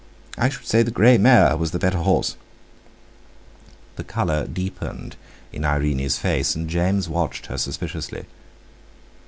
I should say the grey mare was the better horse!" The colour deepened in Irene's face; and James watched her suspiciously.